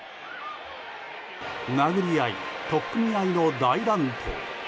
殴り合い、取っ組み合いの大乱闘。